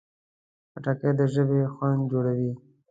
خټکی د ژبې خوند جوړوي.